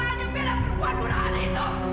beda perempuan perempuan itu